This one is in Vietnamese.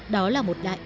đó là một đại hội